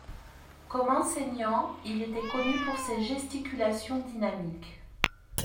Comme enseignant, il était connu pour ses gesticulations dynamiques.